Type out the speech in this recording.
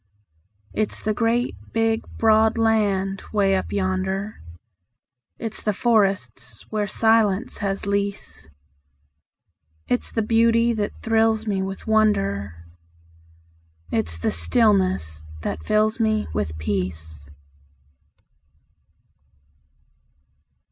It's the great, big, broad land 'way up yonder, It's the forests where silence has lease; It's the beauty that thrills me with wonder, It's the stillness that fills me with peace.